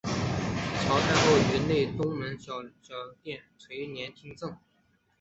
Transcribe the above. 曹太后于内东门小殿垂帘听政。